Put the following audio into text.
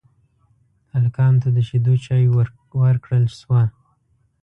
هلکانو ته د شيدو چايو ورکړل شوه.